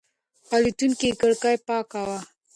د الوتکې کړکۍ پاکه وه.